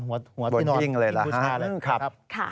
หัวที่นอนที่พุชธาเลยครับครับครับบนที่นอนที่พุชธาเลยครับ